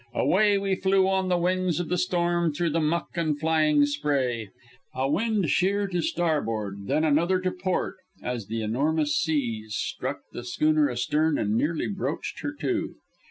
Away we flew on the wings of the storm through the muck and flying spray. A wind sheer to starboard, then another to port as the enormous seas struck the schooner astern and nearly broached her to.